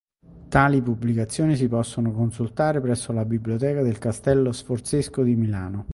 Tali pubblicazioni si possono consultare presso la Biblioteca del Castello Sforzesco di Milano.